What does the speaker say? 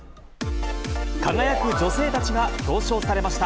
輝く女性たちが表彰されました。